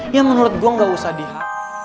yang menurut gue gak usah diha